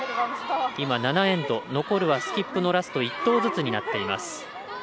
今、７エンド残るはスキップのラスト１投ずつになっています。